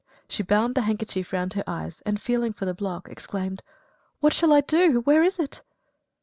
She bound the handkerchief round her eyes, and feeling for the block, exclaimed, "What shall I do? Where is it?"